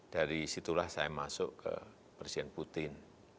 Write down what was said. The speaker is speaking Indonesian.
dari situlah saya masuk ke presiden putin